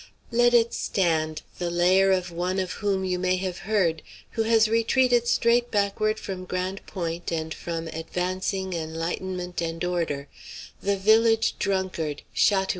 Let it stand, the lair of one of whom you may have heard, who has retreated straight backward from Grande Pointe and from advancing enlightenment and order, the village drunkard, Chat oué.